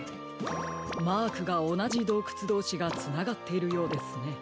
マークがおなじどうくつどうしがつながっているようですね。